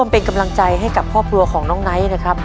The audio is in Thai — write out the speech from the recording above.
เป็นกำลังใจให้กับครอบครัวของน้องไนท์นะครับ